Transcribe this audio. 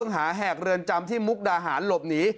หาแหกเรือนจำที่มุกดาหารหลบหนี